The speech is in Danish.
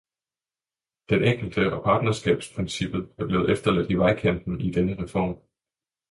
Den enkelte og partnerskabsprincippet er blevet efterladt i vejkanten i denne reform.